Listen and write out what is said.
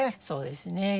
そうですね。